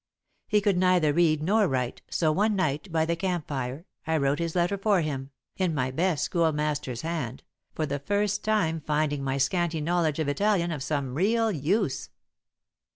He could neither read nor write, so, one night, by the camp fire, I wrote his letter for him, in my best schoolmaster's hand, for the first time finding my scanty knowledge of Italian of some real use.